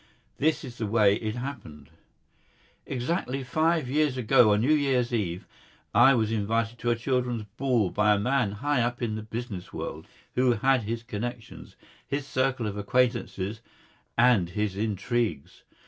This is the way it happened: Exactly five years ago, on New Year's Eve, I was invited to a children's ball by a man high up in the business world, who had his connections, his circle of acquaintances, and his intrigues.